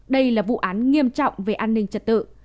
đây là vụ án nghiêm trọng về an ninh trật tự